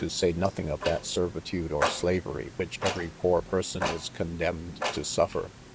say nothing of that servitude or slavery which every poor person is condemned to suffer.